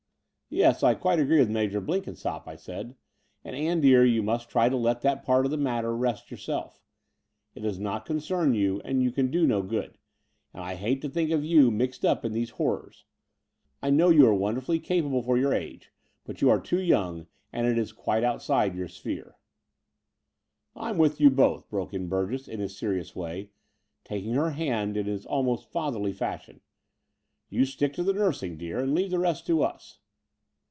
"Yes, I quite agree with Major Blenkinsopp," I said; "and, Ann dear, you must try to let that part of the matter rest yourself. It does not con cern you, and you can do no good : and I hate to think of you mixed up in these horrors. I know you are wonderf tdly capable for your age, but you are too young : and it is quite outside yotu^ sphere." "I'm with you both," broke in Btu gess in his serious way, taking her hand in his almost fatherly fashion. "You stick to the nursing, dear, and leave the rest to us."